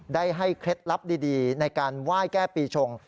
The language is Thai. ได้ให้เคล็ดลับดีในการไหว้แก้ปีชง